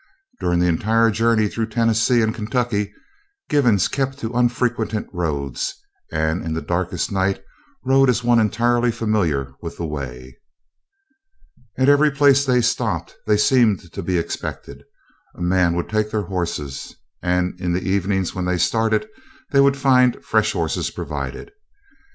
During the entire journey through Tennessee and Kentucky, Givens kept to unfrequented roads, and in the darkest night rode as one entirely familiar with the way. At every place they stopped, they seemed to be expected. A man would take their horses, and in the evening when they started, they would find fresh horses provided.